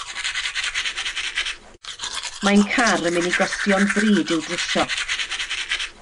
Mae'n car yn mynd i gostio'n ddrud i'w drwsio.